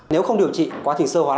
nếu không điều trị quá thì sơ hóa